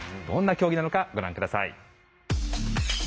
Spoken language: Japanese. どんな競技なのかご覧下さい。